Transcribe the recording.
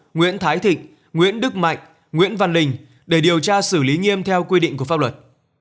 nguyễn thái thịnh nguyễn đức mạnh nguyễn văn linh để điều tra xử lý nghiêm theo quy định của pháp luật